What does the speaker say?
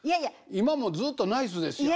今もずっとナイスでっしゃろ。